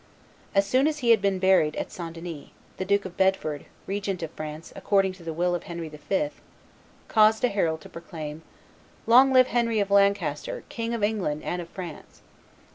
As soon as he had been buried at St. Denis, the Duke of Bedford, regent of France according to the will of Henry V., caused a herald to proclaim, "Long live Henry of Lancaster, King of England and of France!"